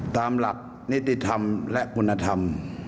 ตามหลักนิติธรรมและคุณธรรม